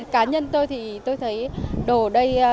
cá nhân tôi thì tôi thấy đồ đây khi mà